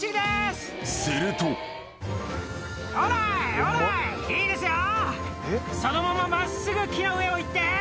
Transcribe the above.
するとそのまま真っすぐ木の上を行って！